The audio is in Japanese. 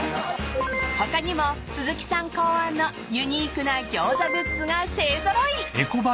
［他にも鈴木さん考案のユニークなギョーザグッズが勢揃い］